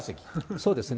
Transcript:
そうですね。